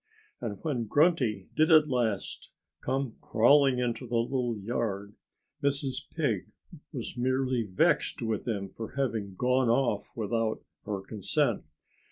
And when Grunty did at last come crawling into the little yard Mrs. Pig was merely vexed with him for having gone off without her consent.